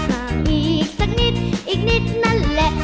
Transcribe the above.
หากมีอีกสักนิดอีกนิดนั่นแหละ